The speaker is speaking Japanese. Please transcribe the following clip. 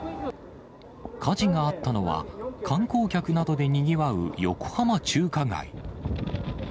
火事があったのは、観光客などでにぎわう横浜中華街。